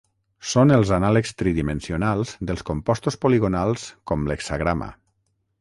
Són els anàlegs tridimensionals dels compostos poligonals com l'hexagrama.